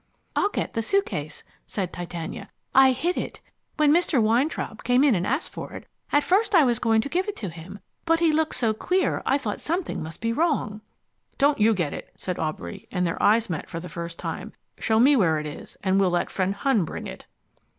"I'll get the suitcase," said Titania. "I hid it. When Mr. Weintraub came in and asked for it, at first I was going to give it to him, but he looked so queer I thought something must be wrong." "Don't you get it," said Aubrey, and their eyes met for the first time. "Show me where it is, and we'll let friend Hun bring it."